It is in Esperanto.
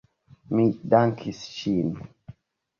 Mi dankis ŝin.